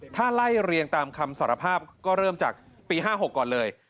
ถ้าไล่เรียงตามคำสารภาพก็เริ่มจากปี๕๖ก่อนเลย